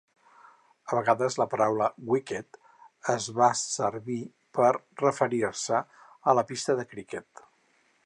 A vegades, la paraula "wicket" es va servir per referir-se a la pista de criquet.